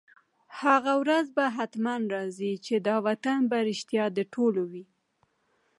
هغه ورځ به حتماً راځي، چي دا وطن به رشتیا د ټولو وي